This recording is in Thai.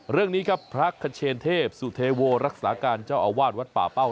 เรื่องนี้ครับพระคเชนเทพสุเทโวรักษาการเจ้าอาวาสวัดป่าเป้า